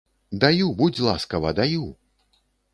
Даю, будзь ласкава, даю!